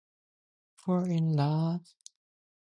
One could also pick up and throw the opponent's character directly.